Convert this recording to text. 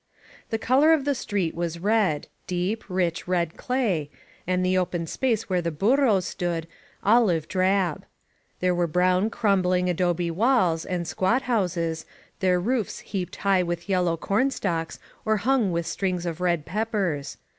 The color of the street was red — deep, rich, red clay — and the open space where the burros stood, olive drab; there were brown crumbling adobe walls and squat houses, their roofs heaped high with yellow corn stalks or hung with strings of red peppers.